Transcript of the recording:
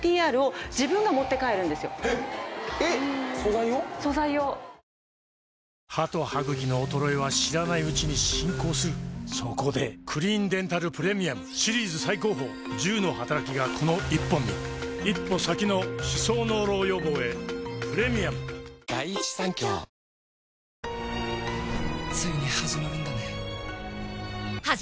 えっ⁉歯と歯ぐきの衰えは知らないうちに進行するそこで「クリーンデンタルプレミアム」シリーズ最高峰１０のはたらきがこの１本に一歩先の歯槽膿漏予防へプレミアム大橋さんときはやっぱ現場も色々大変でしたか？